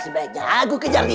sebaiknya aku kejar dia